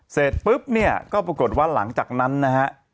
เสร็จปุ๊บเนี่ยก็ปรากฏว่าหลังจากนั้นนะฮะ